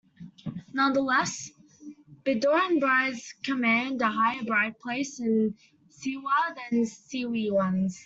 Nonetheless, Bedouin brides command a higher brideprice in Siwa than Siwi ones.